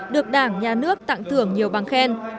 được đảng nhà nước tặng thưởng nhiều bằng khen